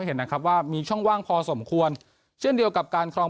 เห็นนะครับว่ามีช่องว่างพอสมควรเช่นเดียวกับการครอง